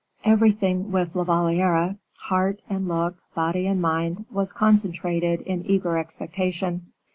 Everything with La Valliere, heart and look, body and mind, was concentrated in eager expectation.